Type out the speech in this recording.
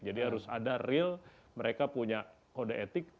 jadi harus ada real mereka punya kode etik